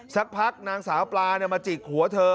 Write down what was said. สักพักนางสาวปลามาจิกหัวเธอ